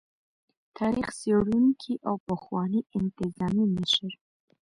تاريخ څيړونکي او پخواني انتظامي مشر